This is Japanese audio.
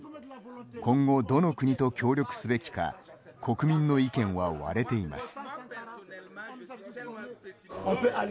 今後どの国と協力すべきか国民の意見は割れています。